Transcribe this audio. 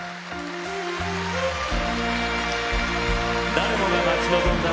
誰もが待ち望んだ